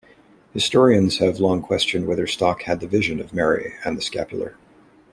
Historians have long questioned whether Stock had the vision of Mary and the scapular.